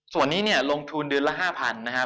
ส่วนนี้ลงทุนเดือนละ๕๐๐๐บาท